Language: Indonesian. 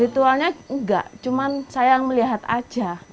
ritualnya enggak cuma saya melihat aja